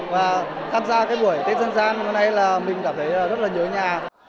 và tham gia cái buổi tết dân gian hôm nay là mình cảm thấy rất là nhớ nhà